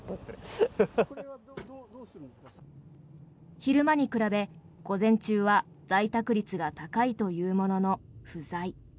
昼間に比べ、午前中は在宅率が高いというものの不在。